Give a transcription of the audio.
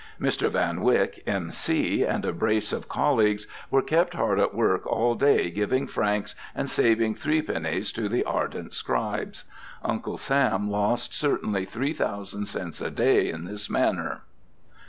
Mr. Van Wyck, M.C., and a brace of colleagues were kept hard at work all day giving franks and saving threepennies to the ardent scribes. Uncle Sam lost certainly three thousand cents a day in this manner.